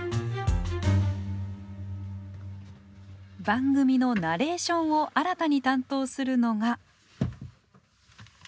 番組のナレーションを新たに担当するのが。